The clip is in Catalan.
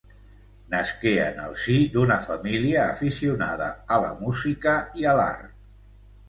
Nasqué en el si d'una família aficionada a la música i a l'art.